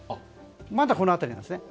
まだこの辺りなんです。